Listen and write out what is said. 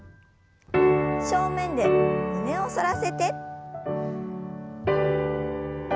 正面で胸を反らせて。